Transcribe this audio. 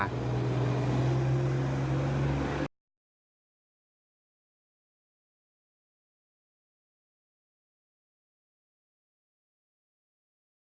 jangan lupa like share dan subscribe ya